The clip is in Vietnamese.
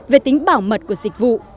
về tính bảo mật của dịch vụ